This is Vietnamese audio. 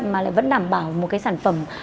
mà lại vẫn đảm bảo một cái sản phẩm